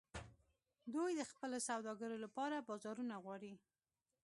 دوی د خپلو سوداګرو لپاره بازارونه غواړي